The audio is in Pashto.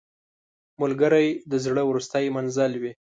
ملګری د زړه وروستی منزل وي